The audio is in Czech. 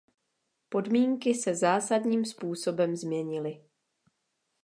Podmínky se zásadním způsobem změnily.